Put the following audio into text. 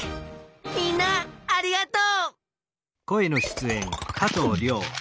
みんなありがとう！